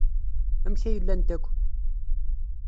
Amek ay llant akk?